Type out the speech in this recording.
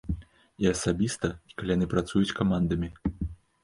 І асабіста, і калі яны працуюць камандамі.